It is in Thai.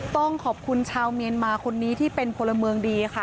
ต้องขอบคุณชาวเมียนมาคนนี้ที่เป็นพลเมืองดีค่ะ